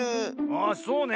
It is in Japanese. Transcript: あそうね。